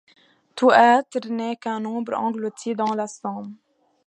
Tout être n’est qu’un nombre englouti dans la somme ;